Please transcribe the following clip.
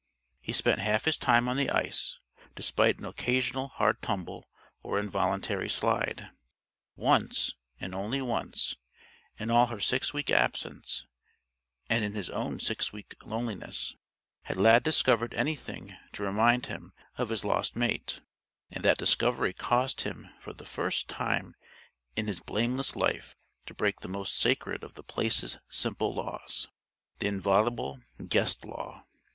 He spent half his time on the ice, despite an occasional hard tumble or involuntary slide. Once and once only in all her six week absence and in his own six week loneliness had Lad discovered anything to remind him of his lost mate; and that discovery caused him for the first time in his blameless life to break the most sacred of The Place's simple Laws the inviolable Guest Law.